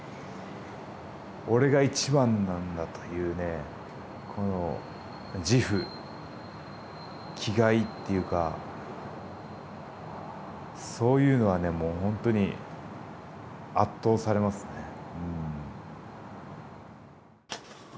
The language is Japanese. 俺が１番なんだというねこの自負気概っていうかそういうのはねもうほんとに圧倒されますね。